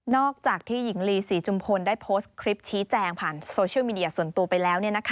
อกจากที่หญิงลีศรีจุมพลได้โพสต์คลิปชี้แจงผ่านโซเชียลมีเดียส่วนตัวไปแล้ว